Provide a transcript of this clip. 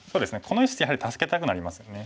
この石ってやはり助けたくなりますよね。